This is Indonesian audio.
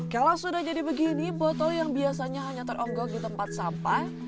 kalau sudah jadi begini botol yang biasanya hanya teronggok di tempat sampah